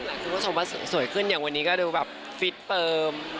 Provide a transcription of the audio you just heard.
คุณผู้ชมว่าสวยขึ้นอย่างวันนี้ก็ดูแบบฟิตเฟิร์ม